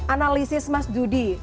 analisis mas judi